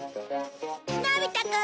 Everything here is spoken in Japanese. のび太くん！